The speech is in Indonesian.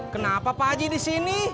kenapa pak haji disini